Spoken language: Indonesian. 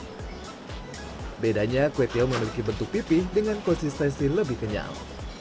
berbedanya kue tiong memiliki bentuk pipih dengan konsistensi lebih kenyal